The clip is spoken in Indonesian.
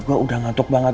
gue udah ngantuk banget